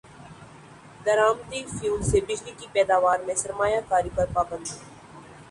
درامدی fuel سے بجلی کی پیداوار میں سرمایہ کاری پر پابندی